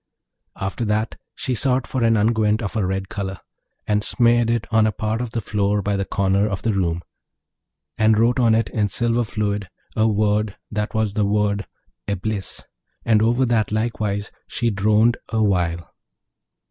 After that she sought for an unguent of a red colour, and smeared it on a part of the floor by the corner of the room, and wrote on it in silver fluid a word that was the word 'Eblis,' and over that likewise she droned awhile.